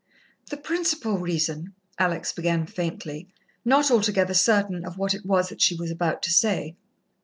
"The principal reason " Alex began faintly, not altogether certain of what it was that she was about to say.